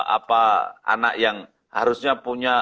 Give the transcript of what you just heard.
apa anak yang harusnya punya